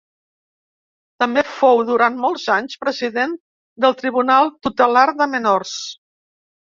També fou durant molts anys president del Tribunal Tutelar de Menors.